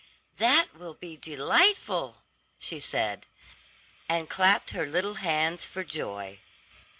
"That will be delightful," she said, and clapped her little hands for joy.